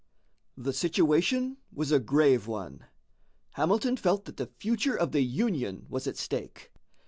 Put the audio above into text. The situation was a grave one. Hamilton felt that the future of the Union was at stake.